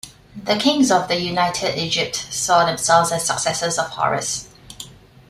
The kings of the united Egypt saw themselves as successors of Horus.